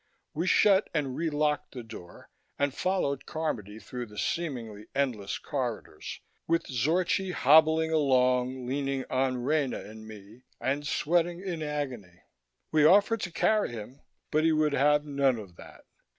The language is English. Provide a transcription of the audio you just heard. We shut and relocked the door and followed Carmody through the seemingly endless corridors, with Zorchi hobbling along, leaning on Rena and me and sweating in agony. We offered to carry him, but he would have none of that.